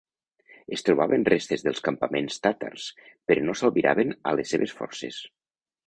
Es trobaven restes dels campaments tàtars però no s'albiraven a les seves forces.